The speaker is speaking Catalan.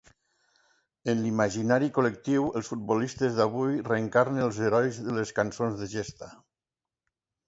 En l'imaginari col·lectiu, els futbolistes d'avui reencarnen els herois de les cançons de gesta.